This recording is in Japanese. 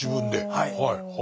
はい。